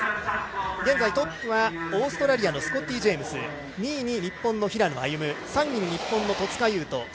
現在トップはオーストラリアのスコッティ・ジェームズ２位に日本の平野歩夢３位に日本の戸塚優斗。